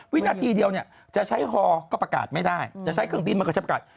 วินาทีเดียวเนี่ยจะใช้ฮอก็ประกาศไม่ได้จะใช้เครื่องบินมันก็ใช้ประกาศ